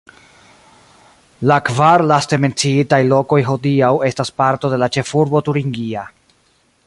La kvar laste menciitaj lokoj hodiaŭ estas parto de la ĉefurbo turingia.